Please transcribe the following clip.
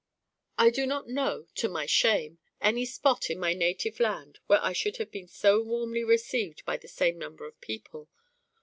I do not know, to my shame, any spot in my native land where I should have been so warmly received by the same number of people.